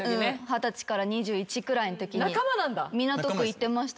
二十歳から２１くらいのときに港区行ってました。